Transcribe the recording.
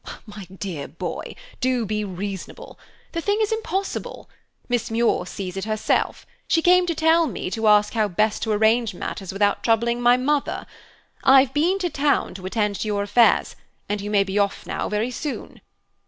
"My dear boy, do be reasonable. The thing is impossible. Miss Muir sees it herself; she came to tell me, to ask how best to arrange matters without troubling my mother. I've been to town to attend to your affairs, and you may be off now very soon."